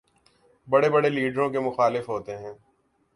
بڑے بڑے لیڈروں کے مخالف ہوتے ہیں۔